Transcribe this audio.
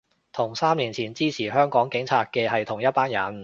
同三年前支持香港警察嘅係同一班人